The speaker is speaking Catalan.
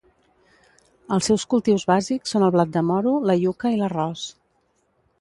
Els seus cultius bàsics són el blat de moro, la iuca i l'arròs.